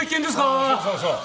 あぁそうそうそう。